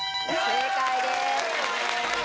正解です！